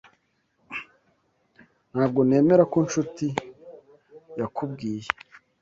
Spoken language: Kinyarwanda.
Ntabwo nemera ko Nshuti yakubwiye.